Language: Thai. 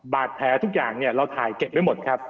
บาดแผลทุกอย่างเราถ่ายเก็บไว้หมดครับ